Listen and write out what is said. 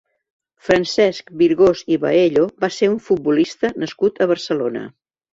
Francesc Virgós i Baello va ser un futbolista nascut a Barcelona.